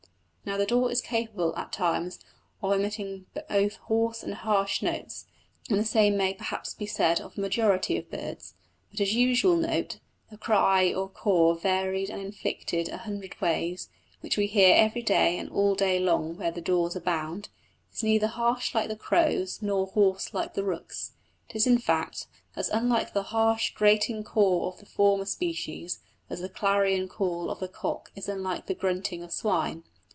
Now the daw is capable at times of emitting both hoarse and harsh notes, and the same may perhaps be said of a majority of birds; but his usual note the cry or caw varied and inflected a hundred ways, which we hear every day and all day long where daws abound is neither harsh like the crow's, nor hoarse like the rook's. It is, in fact, as unlike the harsh, grating caw of the former species as the clarion call of the cock is unlike the grunting of swine.